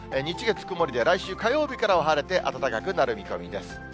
日、月、曇りで、来週火曜日からは晴れて、暖かくなる見込みです。